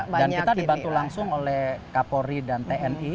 dan kita dibantu langsung oleh kapolri dan tni